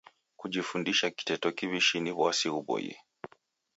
Kujifundisha kiteto kiw'ishi ni w'asi ghuboie.